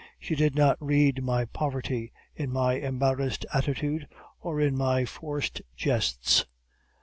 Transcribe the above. She did not read my poverty in my embarrassed attitude, or in my forced jests.